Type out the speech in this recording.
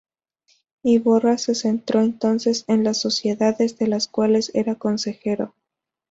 Iborra se centró entonces en las sociedades de las cuales era consejero.